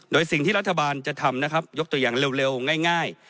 โดยสิ่งที่รัฐบาลจะทำนะครับยกตัวอย่างเร็วง่าย